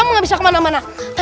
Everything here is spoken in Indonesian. hai frb gaming